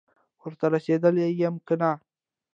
ورته رسېدلی یم که نه،